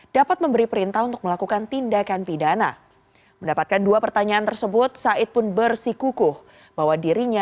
dapat memberi perintah untuk melakukan penyelamatkan